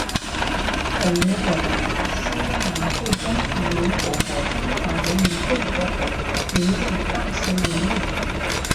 本列表为希腊驻中华民国和中华人民共和国历任大使名录。